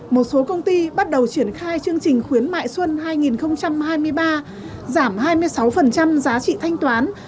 một số công ty bắt đầu triển khai chương trình khuyến mại xuân hai nghìn hai mươi ba giảm hai mươi sáu giá trị thanh toán